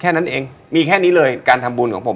แค่นั้นเองมีแค่นี้เลยการทำบุญของผม